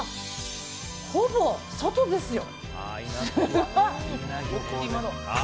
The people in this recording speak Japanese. ほぼ外ですよ。